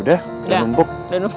udah udah numpuk